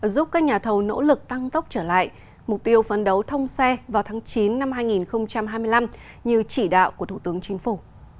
giúp các nhà thầu nỗ lực tăng tốc trở lại mục tiêu phấn đấu thông xe vào tháng chín năm hai nghìn hai mươi năm như chỉ đạo của thủ tướng chính phủ